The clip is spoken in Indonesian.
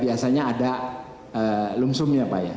biasanya ada lungsumnya pak ya